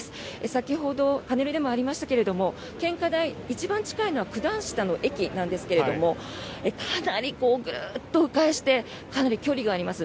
先ほど、パネルでもありましたが献花台、一番近いのは九段下の駅なんですがかなり、グルッと迂回してかなり距離があります。